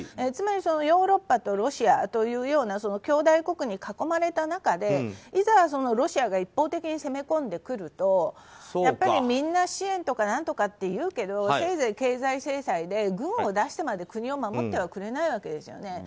つまり、ヨーロッパとロシアというような強大国に囲まれた中でいざロシアが一方的に攻め込んでくるとみんな支援とか何とか言うけどせいぜい経済制裁で軍を出してまで国を守ってはくれないわけですよね。